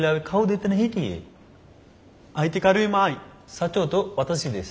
社長と私です。